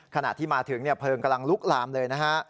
ขณะที่มาถึงเพลิงกำลังลุกลามเลยนะฮะ